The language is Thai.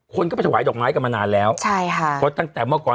คนก็ไปถวายดอกไม้กันมานานแล้วใช่ค่ะเพราะตั้งแต่เมื่อก่อน